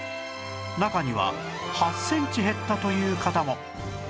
中には８センチ減ったという方も